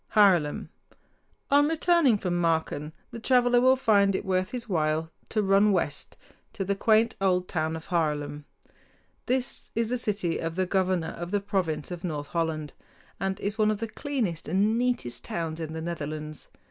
HAARLEM On returning from Marken the traveler will find it worth his while to run west to the quaint old town of Haarlem (hahr´ lem). This is the city of the governor of the province of North Holland, and is one of the cleanest and neatest towns in the Netherlands.